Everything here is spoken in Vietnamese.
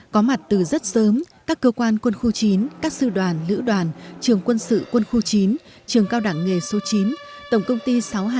có mặt từ rất sớm các cơ quan quân khu chín các sư đoàn lữ đoàn trường quân sự quân khu chín trường cao đẳng nghề số chín tổng công ty sáu trăm hai mươi một